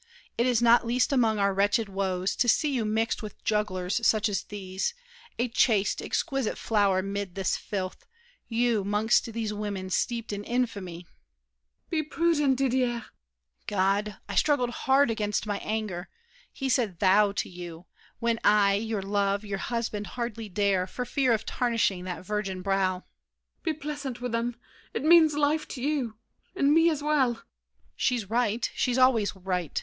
It is not least among our wretched woes To see you mixed with jugglers such as these, A chaste, exquisite flower 'mid this filth— You, 'mongst these women steeped in infamy! MARION. Be prudent, Didier! DIDIER. God! I struggled hard Against my anger! He said "thou" to you, When I, your love, your husband, hardly dare For fear of tarnishing that virgin brow— MARION. Be pleasant with them; it means life to you, And me as well. DIDIER. She's right. She's always right.